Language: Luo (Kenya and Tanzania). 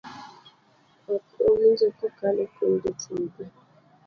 ok owinjo kokalo kuom jotugo,